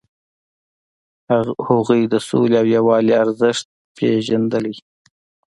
هغوی د سولې او یووالي ارزښت پیژندل.